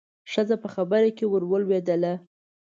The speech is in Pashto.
ښځه په خبره کې ورولوېدله.